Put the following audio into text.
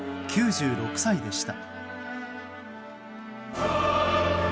９６歳でした。